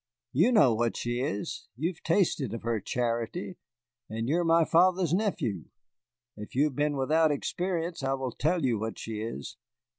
"You know what she is, you've tasted of her charity, and you are my father's nephew. If you have been without experience, I will tell you what she is.